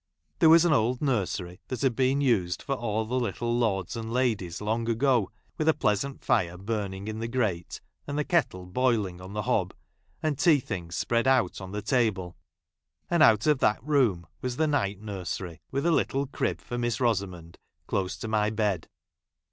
There was an old nursery, j ' that had been used for all the little lords and ' ladies long ago, with a pleasant fire burning ■ in the grate, and the kettle boiling on the hob, and tea things spread out on the table ; and out of that room was the night nursery, with j a little crib for Miss Rosamond close to my r bed.